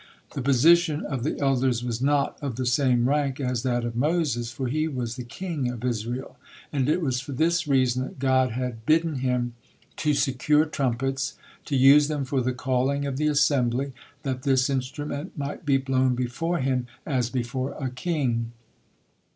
The position of the elders was not of the same rank as that of Moses, for he was the king of Israel, and it was for this reason that God had bidden him to secure trumpets, to use them for the calling of the assembly, that this instrument might be blown before him as before a king.